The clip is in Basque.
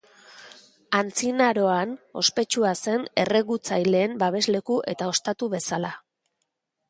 Antzinaroan ospetsua zen erregutzaileen babesleku eta ostatu bezala.